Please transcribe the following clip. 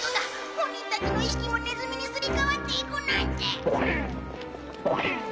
本人たちの意識もネズミにすり替わっていくなんて。